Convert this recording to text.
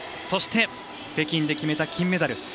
そして、北京で決めた金メダル。